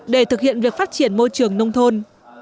để thực hiện việc phát triển môi trường nông thôn